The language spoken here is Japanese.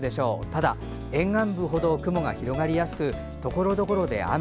ただ沿岸部ほど雲が広がりやすくところどころで雨。